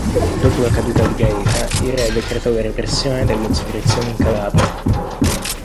Dopo la caduta di Gaeta, il re decretò la repressione delle insurrezioni in Calabria.